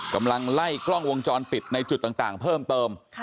กำลังไล่กล้องวงจรปิดในจุดต่างเพิ่มเติม